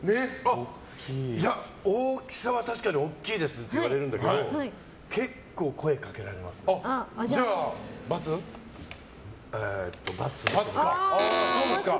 いや、大きさは確かに大きいですねって言われるんだけど結構、声掛けられますね。×です。